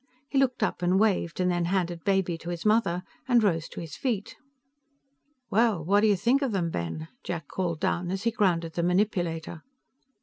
He looked up and waved, and then handed Baby to his mother and rose to his feet. "Well, what do you think of them, Ben?" Jack called down, as he grounded the manipulator.